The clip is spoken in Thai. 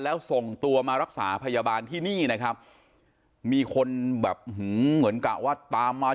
แล้วส่งตัวมารักษาพยาบาลที่นี่นะครับมีคนแบบเหมือนกะว่าตามมา